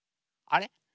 あれ？